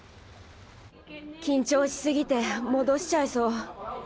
緊張しすぎてもどしちゃいそう。